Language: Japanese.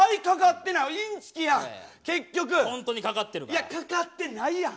いやかかってないやん。